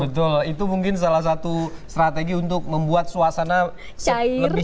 betul itu mungkin salah satu strategi untuk membuat suasana lebih